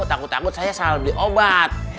takut takut saya selalu beli obat